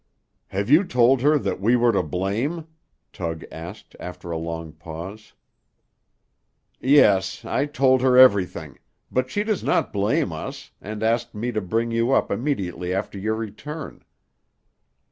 "Have you told her that we were to blame?" Tug asked, after a long pause. "Yes, I told her everything, but she does not blame us, and asked me to bring you up immediately after your return."